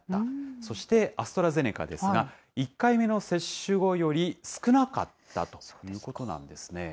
そして、アストラゼネカですが、１回目の接種後より少なかったということなんですね。